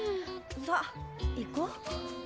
さあいこう。